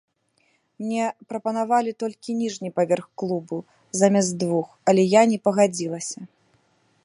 Мне прапанавалі толькі ніжні паверх клубу, замест двух, але я не пагадзілася.